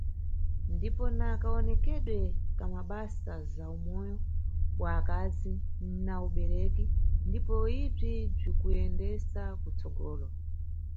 Ndipo na kawonekedwe ka mabasa ya zawumoyo bwa akazi na ubereki ndipo ibzi bzikuyendesa kutsogolo.